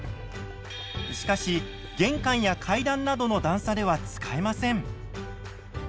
しかし玄関や階段などの段差では使えません。